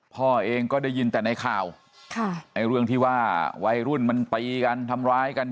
พ่อเองก็ได้ยินแต่ในข่าวเรื่องที่ว่าวัยรุ่นมันตีกันทำร้ายกัน